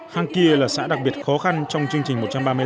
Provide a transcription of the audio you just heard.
hàng kia là xã đặc biệt khó khăn trong chương trình một trăm ba mươi năm